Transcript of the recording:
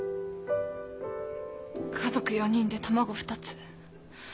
家族４人で卵２つ。